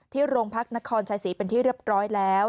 โรงพักนครชายศรีเป็นที่เรียบร้อยแล้ว